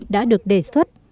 đã được đề xuất